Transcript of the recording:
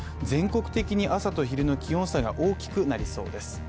全国的に朝と昼の気温差が大きくなりそうです。